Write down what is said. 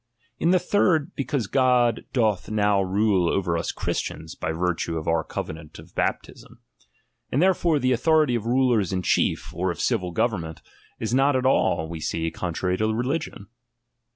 In the third, because God doth now rule over us Christians, by virtue of our covenant of baptism. And therefore the au thority of rulers in chief, or of civil government, 03 not at all, we see, contrary to religion.